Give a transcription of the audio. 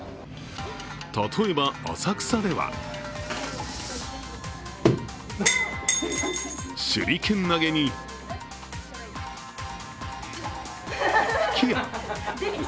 例えば浅草では手裏剣投げに、吹き矢。